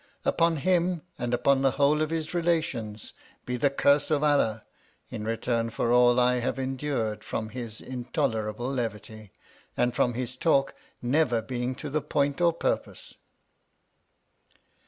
Upon him and upon the whole of his relations be the curse of Allah, in return for all I have endured from his intolerable levity, and from his talk never being to the point or purpose